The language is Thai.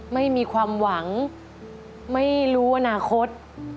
ไม่มีความหวังไม่รู้อนาคต